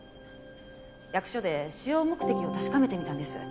役所で使用目的を確かめてみたんです。